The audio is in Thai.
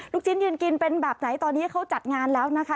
ลูกชิ้นยืนกินเป็นแบบไหนตอนนี้เขาจัดงานแล้วนะคะ